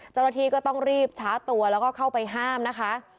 เจ้าหน้าที่ก็ต้องรีบช้าตัวแล้วก็เข้าไปห้ามนะคะ